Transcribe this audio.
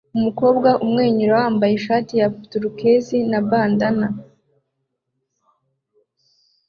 Umukobwa umwenyura wambaye ishati ya tourquoise na bandanna